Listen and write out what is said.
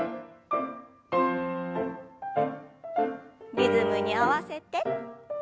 リズムに合わせて。